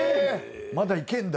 まだいけるんだ？